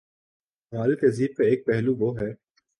ہماری تہذیب کا ایک پہلو وہ ہے۔